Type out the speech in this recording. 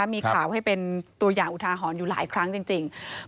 มีข่าวให้เป็นตัวอย่างอุทาหรณ์อยู่หลายครั้งจริง